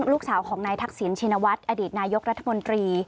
ลูกสาวของนายทักษิณชินวัฒน์อดีตนายกรัฐมนตรี